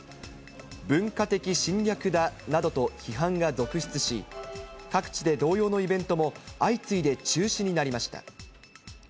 文化的侵略だなどと批判が続出し、各地で同様のイベントも相次いで中止になりました。